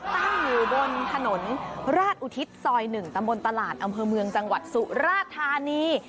ตั้งอยู่บนถนนราชอุทิศซอย๑ตำบลตลาดอำเภอเมืองจังหวัดสุราธานี